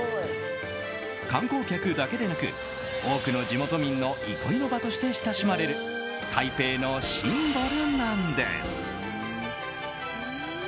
観光客だけでなく多くの地元民の憩いの場として親しまれる台北のシンボルなんです。